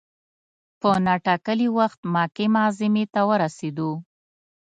په نا ټا کلي وخت مکې معظمې ته ورسېدو.